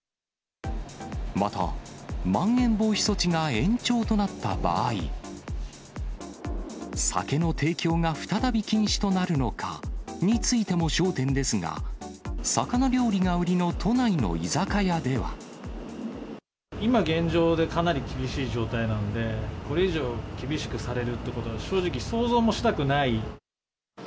また、まん延防止措置が延長となった場合、酒の提供が再び禁止となるのかについても焦点ですが、魚料理が売今現状で、かなり厳しい状態なんで、これ以上厳しくされるってことは、正直想像もしたくない。